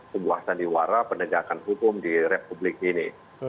sebuah sandiwara penegakan hukum di republik ini